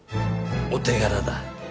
お手柄だ。